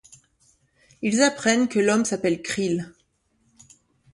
Ils apprennent que l'homme s'appelle Krill.